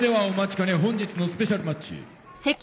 兼ね本日のスペシャルマッチ。